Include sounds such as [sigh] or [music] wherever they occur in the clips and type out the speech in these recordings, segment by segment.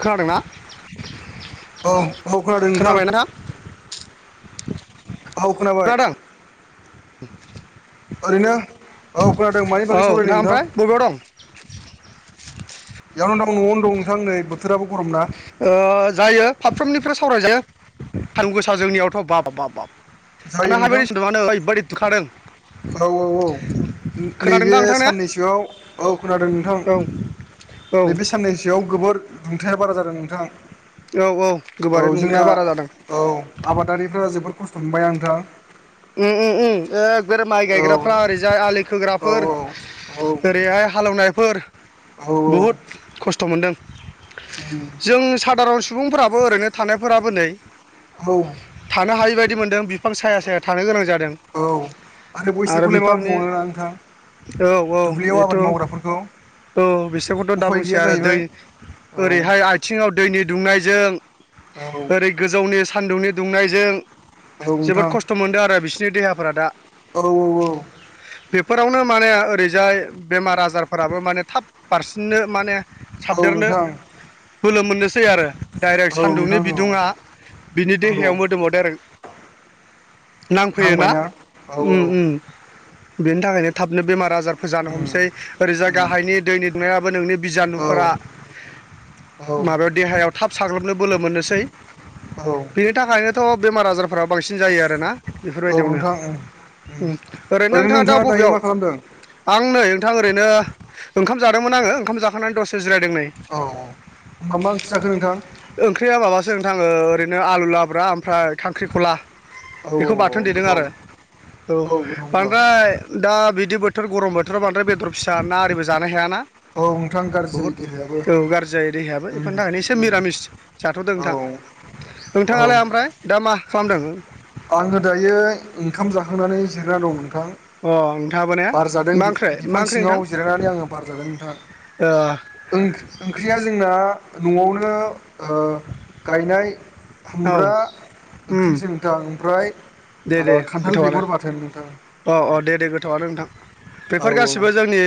खोनादोंना? औ औ खोनादों नोंथां। औ खोनाबाय खोनादों ओरैनो औ खोनादों मानि औ बागै सावरायदों नोंथां ओमफ्राय बबेयाव दं याव दं न'आवनों नोंथां नै बोथोराबो गरम ना जायो फाफ्रोमनिफ्राय सावरायजायो थान गोसा जोंनियावथ' बाब-बाब-बाब-बाब जायो थानो हायिबायदि सादआनो ओरैबादि दुखादों। औ-औ-औ खोनादों नैबे दा नोंथां ने साननैसोआव औ खोनादों नोंथां औ औ नैबे साननैसोआव गोबोर दुंथाया बारा जादों नोंथां। औ औ औ गोबारै जोंना दुंनाया बारा जादों औ आबादारिफोरा जोबोद खस्थ' मोनबाया नोंथां उम उम एक बे माइ औ गायग्राफ्रा ओरैजाय आलि औ खोग्राफोर औ ओरैहाय हाल एवनायफोर बहुद खस्थ' मोनदों। जों सादारन सुबुंफोराबो ओरैनो थानायफोराबो नै औ थानो हायि बायदि मोनदों बिफां साया साया थानो गोनां जादों। औ आरो बैसोरखौलाय मा बुंबावनो ना नोंथां औ औ दुब्लियाव बेथ' आबाद मावग्राफोरखौ औ बिसोरखौथ' दा उफाय बुंसै गैया आरो दै जाहैबाय औ ओरैहाय आथिङाव दैनि दुंनायजों औ ओरै गोजौनि सानदुंनि दुंनायजों औ जोबोद नोंथां खस्थ' मोनदों आरो बिसोरनि देहाफोरा दा औ औ बेफोरावनो माने ओरैजाय बेमार आजारफोराबो माने थाब बारसिननो माने औ साबदेरनो नोंथां बोलो मोननोसै आरो डाइरेक्ट औ सान्दुंनि नोंथां औ बिदुङा बिनि औ देहायाव मोदोमाव डायरेक नांफैयोना नांबायना औ उम उम बेनि थाखायनो थाबनो बेमार आजा रबो जानो उम हमनोसै ओरैजा उम गाहायनि दैनिदुनायाबो नोंनि औ बिजानुफोरा औ माबायाव देहायाव थाब साग्लोबनो बोलो मोननोसै औ बिनि थाखायनोथ' बेमार आजारफोरा बांसिन जायो आरोना बेफोरबायदियावनो नोंथां उम उम ओरैनो नोंथाङा दा दायो बबेयाव? मा खालामदों? आं नै नोंथां ओरैनो ओंखाम जादोंमोन आङो ओंखाम जाखांनानै दसे जिरायदों नै औ औ होमबा मा ओंख्रि जाखो नोंथां ओंख्रिया मा सो नोंथां ओ ओरैनो आलु लाब्रा ओमफ्राय खांख्रिखला। औ बेखौ बाथोन देदों गोथाव आरो औ गोथाव होमबा बांद्राय दा बिदि बो थोर गरम बोराव बांद्राय बेदर फिसा ना आरिबो जानो हायाना। औ नोंथां गाज्रि जायो बुहुद देहायाबो गाज्रि जायो देहायाबो उम बेफोरनि थाखायनो एसे उम निरामिस जाथ'दों नोंथां। औ [inaudible] नोंथाङालाय ओमफ्राय दा मा खालामदों? आङो दायो ओंखाम जाखांनानै जिरना दंमोन। अ नोंथाङाबो ने नोंथां बार जादों मा ओंख्रि मा बिफां ओंख्रि नोंथां सिङाव जिरायनानै आङो बारजादों ओंख्रिया जोंना। न'आवनो गायनाय। ओ औ खुमब्रा उम ओंख्रिसो नोंथां ओमफ्राय दे दे ओ खान्थाल गोथावनो बेगर बाथोन नोंथां अ अ दे दे गोथावनो नोंथां। औ बेफोर गासैबो जोंनि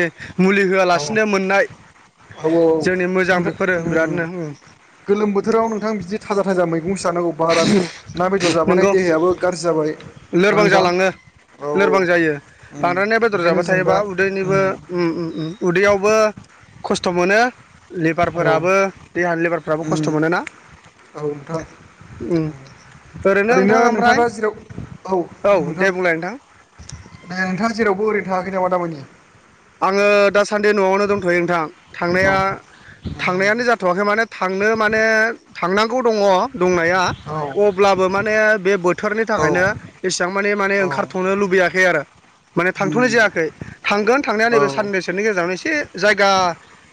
मुलि होआलासिनो मोननाय। औ औ औ जोंनि मोजां नोंथां बेफोरो बिरादनो उम गोलोम बोथोराव नोंथां बिदि थाजा थाजा मैगं। सो जासानांगौ बारा ना बेदर जाबाथाय नंगौ देहायाबो गाज्रि जाबाय। ना लोरबां नोंथां जालाङो। औ लोरबां जायो उम बांद्राया न बेदर ओंखायनो जाबाय जों थायोबा दा उम उदैनिबो यावबो खस्थ मोनो। औ लिबारफोराबो देहानि लिबारफोराबो खस्थ उम मोनोना। औ नोंथां ओरैनो नोंथां नोंथाङा ओमफ्राय। दा जेराव औ दे नोंथां बुंलाय नोंथां दे नोंथाङा जेरावबो ओरैनो थाङाखै नामा दामानि। दासानदे न'आवनो दंथयो नोंथां औ थांनाया। थांनायानो जाथवाखै माने थांनो माने थांनांगौ दङ दंनाया? अब्लाबो माने बे बोथोरनि औ थाखायनो एसेबां माने माने औ ओंखारथनो लुबैयाखै आरो। माने थांथ'नाय उम जायाखै थांगोन थांनाया औ नैबे साननैसोनि गेजेरावनो एसे। जायगा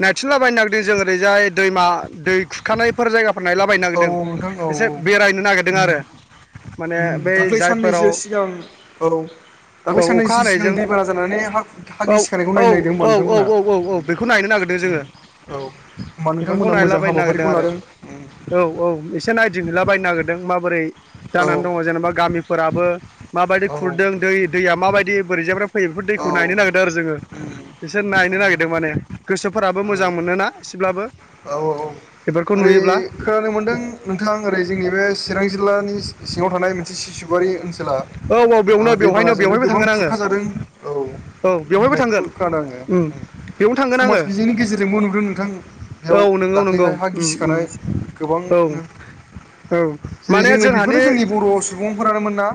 नायथिनलाबायनो नागिरदों जों ओरैजाय दैमा दै खुरखानायफोर जायगाफोर नायलाबाय। औ नागिरदों नोंथां औ एसे बेरायनो नागिरदों उम आरो। माने उम बै दाख्लै जायफोराव साननैसो सिगां औ औ दाख्लै अखा साननैसो सिगां हानायजों दैबाना जानानै हा औ औ औ खुरखा। औ औ औ औ बेखौ नायनो नागिरदों उम जोङो औ होमबा बेफोरखौ नोंथांमोना मोजां नायलाबायनो नागिरदों हाबाफारिखौ आरो लादों उम औ औ। एसे नायदिंहैलाबायनो नागिरदों माबोरै औ जानानै दङ जेनेबा गामिफोराबो। माबायदि औ खुरदों दै दैया माबायदि बोरैजायनिफ्राय फैयो बेफोर दैखौ नायनो नागिरदों‌ दोर जोङो उम बिसोर नायनो नागिरदों माने गोसोफोराबो औ औ मोजां मोनोना एसेब्लाबो‌ औ औ। ओरै खोनानो मोन्दों नोंथा ओरै जोंनि बे चिरां जिल्लानि सिङाव थानाय मोनसे सिसुवारि ओनसोला औ। बेयावनो बेवहायनो दैबानाजोंनो बेवहायबो गोबां थांगोन आङो खुरखाादों औ औ बेवहायबो होननायखौ थांगोन खोनादों आङो। उम बेयावनो थांगोन समाज आङो बिजोंनि गेजेरजोंबो नुदों नोंथां औ बेयाव नंगौ नंगौ दाख्लैहाय हा उम उम गिसिखानाय। गोबांनो औ औ। जेरै माने जोंनो जोंहानि बेफोरो जोंनि बर' सुबुंफोरानोमोनना?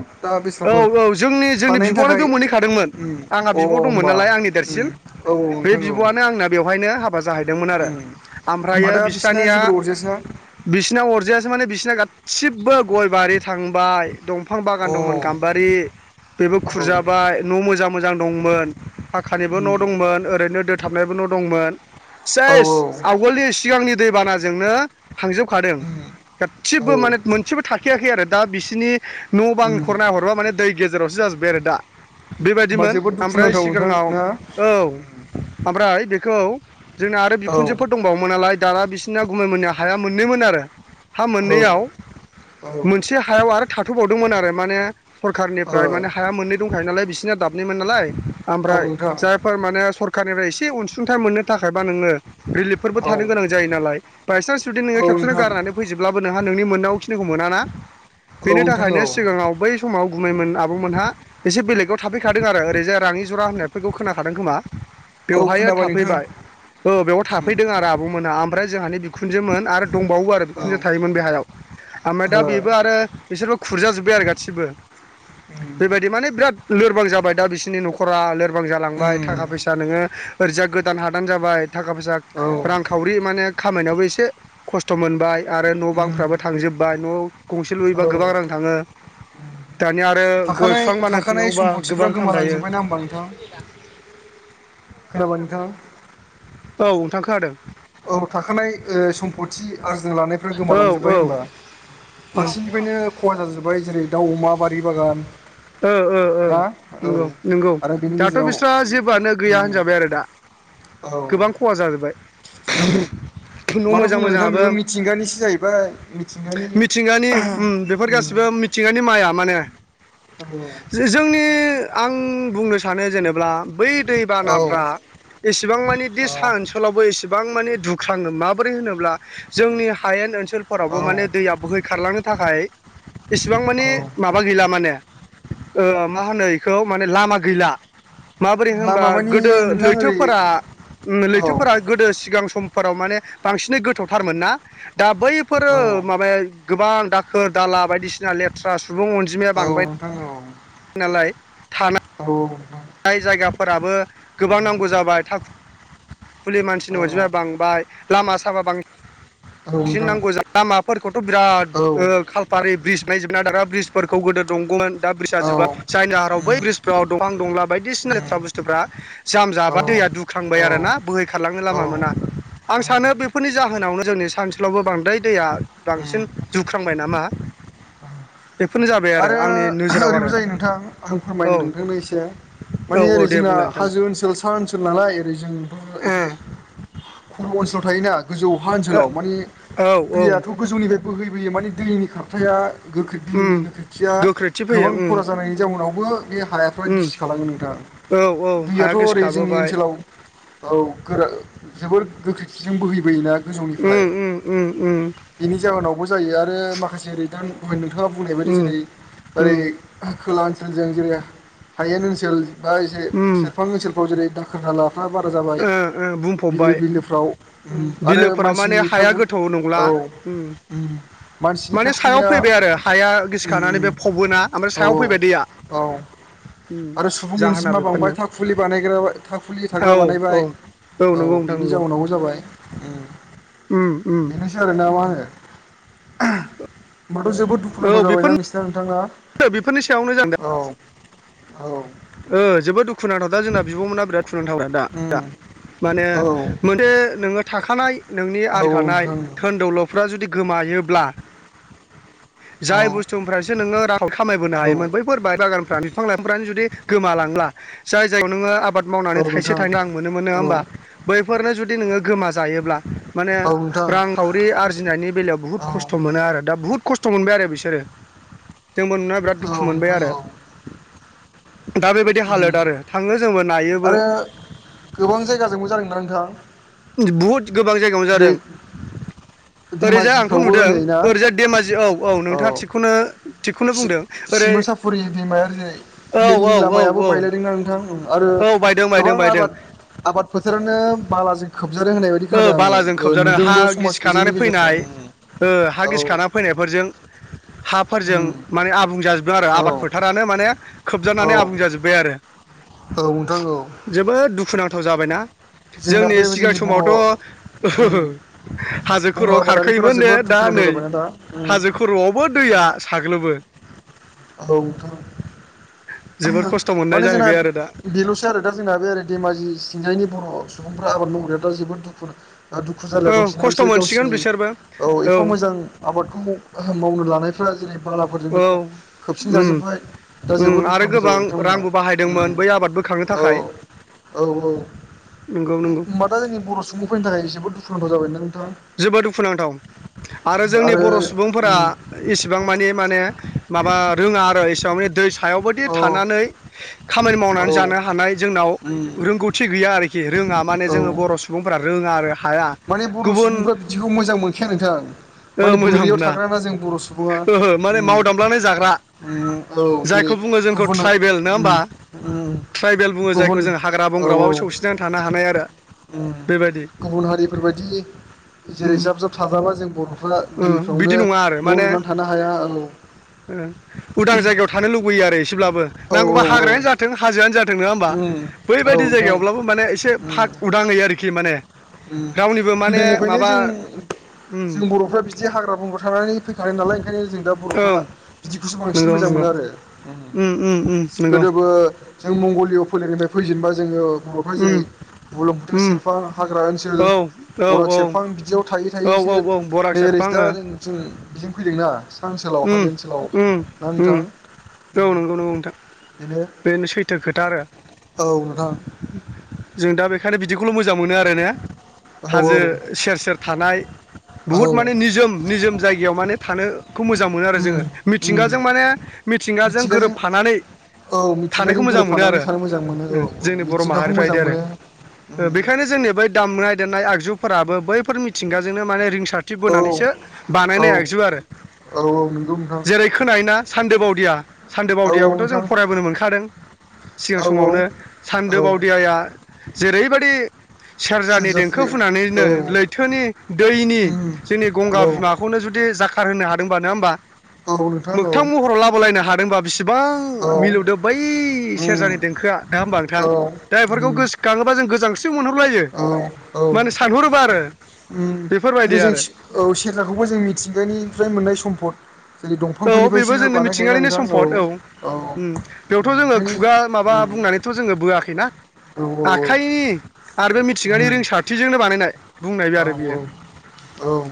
औ औ जोंनि जोंनि बिब'आनो थाखाय बे मोनहैखादोंमोन उम आंहा अ बिब दंमोन होमबा नालाय आंनि उम देरसिन औ बे नोंथां औ बिबआनो आंना बेवहायनो हाबा जाहैदोंमोन आरो उम होमबा ओमफ्रायो दा बिसिना बिस्रानिया जेबो अरजायासैना बिसना अरजाया। माने बिसिना गासिबो गय बारि थांबाय दंफां अ बागान दंमोन गाम्बारि बेबो औ खुरजाबाय न' मोजां मोजां दंमोन। फाखानिबो न' उम दंमोन ओरैनो दोथाबनायबो न' दंमोन। औ सेस औ आवगोलनि सिगांनि दैबानाजोंनो। थांजोबखादों उम गासिबो औ माने मोनसेबो थाखैयाखै आरो दा बिसिोरनि न' बां। उम खरना हरबा माने दै गेजेरावसो जाजोब्बाय आरो दा। होमबा बेबायदिमोन जोबोद ओमफ्राय दुखुनांथाव नोंथां सिगाङाव ना औ ओमफ्राय बेखौ जोंना आरो औ बिखुनजोफोर दंबावोमोन नालाय दाना बिसिोरना गुमाय मोनया हाया मोननैमोन आरो हा औ मोननैयाव औ ओ मोनसे हायाव आरो थाथबावदोंमोन आरो माने सरखारनिफ्राय माने हाया मोननै दंखायो नालाय बिसिनिया दाबनैमोन नालाय औ ओमफ्राय नोंथां जायफोर माने सरखारनिफ्राय एसे अनसुंथाइ मोननो थाखाय रिलिफफोरबो औ थानो गोनां जायो नालाय बायस जुदि औ नोङो खेबसेनो नोंथां गारनानै फैजोबब्लाबो नोंहा आहा नोंनि मोननाव खिनिखौ मोना ना औ नोंथां औ बै समाव गुमैमोन आब'मोनहा एसे बेलेगाव थाफैखादों आरो ओरैजाय राङि जरा होननायफोरखौ खोनाखादों खोमा औ बेवहाय खोनाबाय नोंथां थाफैबाय औ बेवयाव उम थाफैदों आरो आब मोना ओमफ्राय जोंहानि बिखुनजोमोन आरो दंबावो आरो औ बिखुनजो थायोमोन बेहायाव ओमफ्राय दा ओ बेबो आरो बिसोरबो खुरजाजोबबो गासिबो उम बेबायदि मान बिराद लोरबां जाबाय दा बिसिनि न'खरा गोबां जालांबाय उम थाखा फैसा नोङो ओरैजाय गोदान हादान जाबाय थाखा फैसा औ रांखावरि माने खामायनायावबो एसे खस्थ' मोनबाय आरो न' उम बांफ्राबो थांजोब्बाय न'आव गंसे लुयोबा औ गोबां रां थाङो दानिया आरो गय थाखानाय बिफां थाखानाय बानायफिनांगबा सम्पथिफ्रा गोबां थाम थायो गोमालांजोब्बायना होमबा नोंथां खोनाबाय नोंथां औ नोंथां खोनादों औ थाखानाय सम्फथि आरजि लानायफ्रा औ औ गोमालांजोब्बाय होनबा औ फारसेनिफ्रायनो खहा जाजोब्बाय जेरै दाउ अमा बारि बागान ओ ओ ओ ना औ नंगौ नंगौ आरो बेनि दाथ' गेजेराव बिस्रा जेबोआनो गैया उम होनजाबाय आरो दा औ गोबां खहा जाजोबबाय उम न' माथो मोजां बुंनो नोंथां मोजाङाबो बेबो मिथिंगानिसो जाहैबाय मिथिंगानि मिथिंगानि बेफोर उम गासिबो मिथिंगानि माइया माने औ जोंनि आं बुंनो सानो जेनेबा बै दैबानाफ्रा औ एसेबां मानि दि सा ओनसोलावबो एसेबां मानि दुख्राङो माबोरै होनोब्ला जोंनि हायेन ओनसोल औ ओनसोलफोरावबो माने दैया बोहै खारलांनो थाखाय एसेबां माने औ माबा गैला माने मा होनो बेखौ माने लामा गैला माबोरै होनबा लामा मानि गोदो नोंथां ओरै लैथोफोरा औ लैथोफोरा गोदो सिगां समफोराव माने बांसिनै गोथावथारमोन ना दा बैफोरो औ माबाया गोबां सोर दाला बायदिसिना लेथ्रा सुबुं अनजिमाया औ बांबाय नोंथां औ नालाय थाना औ नोंथां औ जाय जायगाफोराबो गोबां नांगौ जाबाय थाख फुलि मानसिनि अनजिमाया बांबाय लामा सामा बांबाय बांसिन नोंथां नांगौ ज लामाफोरखौथ' बिराद औ खालपारि ब्रिज बनायजोब न दाग्रा ब्रिज फोरखौ गोदो दंगौमोन दा ब्रिज औ जोबबाय जायनि जाहोनाव बै उम ब्रिजफ्राव दंफां दंला उम बायदिसिनाथ्रा बुस्थुफ्रा जाम औ जाबा दैया दुख्रांबाय औ आरो ना बोहैखारलांनो लामा औ मोना आं औ सानो बेफोरनि जाहोनावनो जोंनि ओन्सोलावबो बांद्राय दैया बांसिन उम दुख्रांबाय नामा बेफोरनो जाबाय आरो आंनि नोजोराव ओरैबो आरो जायो नोंथां आं औ फोरमायनो नोंथांनो एसे माने औ ओरै औ दे जोंना बुंलाय नोंथांना हाजो ओनसोल सा ओनसोल नालाय ओरै जोंथ' एसे खर' ओनसोलाव थायोना गोजौ हा ओनसोलाव ओ माने औ औ दैयाथ' गोजौनिफ्राय बोहैबोयो माने दैनि खारथाया गोबां दैनि उम गोख्रैथिया गोख्रैथि फैयो गोबां उम खर जानायनि जाबाय टाउनावबो बे हायाफ्रा उम गिसि खाङो नोंथां औ औ हाया दैयाथ' गेस ओरै जोंनि खाबोबाय ओनसोलाव औ गोरा जोबोर गोख्रैथिजों बोहैबोयोना उम गोजौनिफ्राय उम उम उम बेनि जाहोनावबो जायो आरो माखासे रिटार्न बिथाङा बुंनाय बायदि उम जेरै ओरै उम खोला ओनसोलजों जेरै हायेन ओनसोल बा उम सेरफां ओनसोलफ्राव जेरै दाखोर दाला फ्रा बारा जाबाय ओ ओ बिलो बुंफबबाय बिलोफ्राव उम आरो बिलोफोराव माने मानसिनि हाया थागु गोथौ नंला औ उम उम मानसिनि माने सायाव थाखुलिया फैबाय आरो हाया गिस खानानै उम बे फबना ओमफ्राय औ सायाव फैबाय दैया औ उम आरो सुबुं जाहोना अनसिमा बांबाय बेफोरनो थाखुलि बानायग्रायावहाय थाखुलि औ थाग्रा बानायबाय औ नंगौ नोंथां बिनि नंगौ जाउनावबो जाबाय उम उम उम बेनोसै आरो ना मा होनो होमबाथ' जोबोद दुखुनांथाव औ जाबायना बेफोरनो नोंसिना नोंथां ना बेफोरनि सायावनो जादों औ ओ जोबो दुखुनांथाव दा जों बिब'मोना [unintelligible] दा उम दा माने औ मोनदे नोङो थाखानाय नोंनि औ आरगानाय नोंथां दोहोन दौल'फ्रा जुदि गोमायोब्ला औ जाय बुस्थुफ्रासो नोङो रां खामायबोनो औ हायोमोन बैफोर बागानफ्रानो बिफां लाइफांफ्रानो जुदि गोमा लांला जाय जाय नोङो आबाद मावनानै औ थाइसे नोंथां थाइन आं मोनो मोनो औ होमबा बैफोरनो जुदि नोंङो गोमाजायोब्ला माने औ नोंथां रां खावरि आरजिनायनि बेलायाव बुहुत औ खस्थ' मोनो आरो दा बुहुद खस्थ' मोनबाय आरो बिसोरो जोंबो नुना बिराद दुखु मोनबाय नोंथां आरो औ दा बेबायदि हालोद उम आरो थाङो जोंबो नायोबो आरो गोबां जायगाजोंबो जादोंना नोंथां बहुद गोबां जायगायावनो जेरै जादों ओरैजाय आंथ' धेमाजिफ्रावबो नुदों नै ना ओरैजा धेमाजि औ औ नोंथाङा थिगखौनो थिगखौनो बुंदों ओरै सिमसिमोनसाफुरि दैमाया ओरैजाय औ औ रेलनि औ लामायाबो औ बायलायदोंना नोंथां आरो औ बायदों गोबां बायदों बायदों आबाद आबाद फोथारानो बालाजों खोबजादों होननाय दि ओ खोनादों आङो बालाजों ओ खोबजादों हा नुदोंबो समाज गिसिखानानै बिजोंनि गेजेरजों फैनाय ओ हा औ गिसिखाना फैनायफोरजों हाफोरजों उम माने आबुं जाजोबदों आरो आबाद औ फोथारानो माने खोबजानानै औ आबुं जाजोबबाय आरो औ नोंथां औ जोबोद दुखुनांथाव जाबायना जोंना बे जोंनि बर' उम [unintelligible] हाजो बर' खर'आव आबादारिफोरा खारखायोमोन नो जोबोद दा दुखुनांथाव नै जाबायना दा उम हाजो खर'आवबो दैया साग्लोबो औ नोंथां जोबोद खस्थ' मोननाय माने जोंना जाहैबाय आरो दा बेल'सै आरो दा जोंना बेै धेमाजि सिंजायनि बर' सुबुंफ्रा आबाद मावनाया दा जोबोद दुखु दुखु जालायाव औ दंसैना खस्थ' बिसोरो मोनसिगोन गावसिनि बिसोरबो औ एफा मोजां आबादखौ मावनो लानायफोरा जेरै औ बालाफोरजोंनो उम फिनजाजोबबाय दा उम जोबोद आरो दुखुनांथाव गोबां जाबाय बिथांमोना रांबो उम बाहायदोंमोन बै आबाद बोखांनो औ थाखाय औ औ नंगौ नंगौ होनबा दा जोंनि बर' सुबुंफोरनि थाखाय जोबोद दुखुनांथाव जाबाय नों जोबोद दुखुनांथाव आरो जोंनि बर' सुबुंफोरा उम इसिबां मानि माने माबा रोङा आरो एसे माने दै सायावबोदि औ थानानै खामानि मावनानै औ जानो हानाय जोंनाव उम रोंगौथि गैया आरोखि खि रोङा माने औ जोङो बर' सुबुंफोरा रोङा आरो हाया गुबुन दिखौ मोजां मोनखाया नोंथां ओ माने मोजां बोरैयाव मोना थाग्राना जों बर' सुबुङा ओहो माने मावदामलानाय जाग्रा औ जेरै जायखौ बुङो जोंखौ गुबुन ट्राइबेल नङा उम होमबा उम गुबुन औ दंग्राबाबो सौसिनानै थानो हानाय आरो उम बेबायदि गुबुन हारिफोरबायदि जेरै उम जाब जाब थाजाबा जों बर'फोरा ओ बिदि दैफ्रावनो नङा आरो न' माने लुनानै थानो हाया औ उदां जायगायाव थानो लुबैयो आरो एसेब्लाबो औ औ नांगौबा औ हाग्रायानो जाथों हाजोआनो जा नङा होमबा उम औ बैबायदि नोंथां जायगायावब्लाबो माने एसे उम फाग उदांङै आरोखि माने रावनिबो माने गोदोनिफ्रायनो माबा जों उम जों बर'फ्रा बिदि हाग्रा बंग्रा थानानै फैखानाय ज नालाय ओंखायनो जों दा औ बर'फ्रा बिदिखौसो बांसिन नंगौ मोजां नंगौ मोनो आरो उम उम उम नंगौ गोदोबो जों मंगलिय' फोलेरनिफ्राय फैजेनबा जोंङो बर'फ्रा उम जेरै बुलोम बोथोर उम सेरफा [unintelligible] औ बराग औ सेरफां बिदियाव थायै औ औ थायैसो औ बराग नै ओरै सेरफां दा जों बिदिनो फैदोंना सा ओनसोलाव हाजो ओम ओनसोलाव ओम ना ओम नोंथां औ नंगौ नंगौ नोंथां बेनो सैथो खोथा आरो औ नोंथां ओंखायनो बिदिखौल' मोजां मोनो आरो ने औ हाजो सेर सेर थानाय बुहुत औ माने निजोम निजोम जायगायाव माने थानोखौ मोजां मोनो आरो उम जोङो उम मिथिंगाजों माने मिथिंगाजों गोरोबफानानै औ थानायखौ मिथिंगाजों मोजां मोनो गोरोबफानानै आरो थानो मोजां मोनो औ औ जोंनि बर' मिथिंगाखौ माहारिफ्रा मोजां बिदि आरो मोनो बेखायनो जोंनि बै दामनाय देनाय आगजुफोराबो बैफोर मिथिंगाजोंनो माने रिं सार औ होनानैसो औ बानायनाय आरो औ नंगौ नोंथां जेरै खोनायोना सानदो बावदिया सान्दो औ औ बावदियाखौथ' नोंथां जों फरायबोनो मोनखादों सिगां औ समावनो औ सान्दो बावदियाया जेरैबायदि सेरजानि सेरजाफुरि देंखो औ फुनानैनो लैथोनि दैनि उम जोंनि औ गंगा बिमाखौनो जुदि जाखार होनो हादोंबा नङा होमबा औ नोंथां औ मोगथां महराव लाबोलायनो हादोंबा बिसोर औ बिसिबां मिलौदो बै उम सेरजानि देंखोआ दा होमबा नोंथां औ दा बेफोरखौ उम गोसोखाङोबा जों गोजांस्रिउ औ औ माने सानहरोबा आरो बेफोरबायदि जेरै जों आरो औ सेरजाखौबो जों मिथिंगानिफ्राय मोननाय सम्पद जेरै औ बेबो दंफांफोरनिफ्रायसो जोंनि बानायखायोना मिथिंगानिनि सम्फद औ नोंथां बेयावथ' जोङो ओंखायनो खुगा माबा उम बुंनानैथ' जोङो बोआखैना औ औ औ आखाइनि आरो बे मिथिंगानि उम रोंसारथिजोंनो बानायनाय बुंनाय औ आरो बेयो औ औ